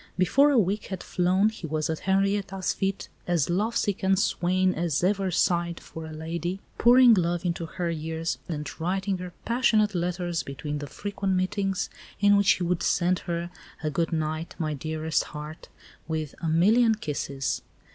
Before a week had flown he was at Henrietta's feet, as lovesick a swain as ever sighed for a lady, pouring love into her ears and writing her passionate letters between the frequent meetings, in which he would send her a "good night, my dearest heart," with "a million kisses."